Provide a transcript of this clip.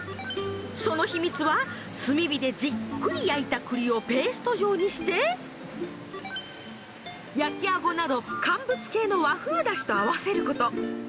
その秘密は炭火でじっくり焼いた栗をペースト状にして焼きあごなど干物系の和風出汁と合わせること。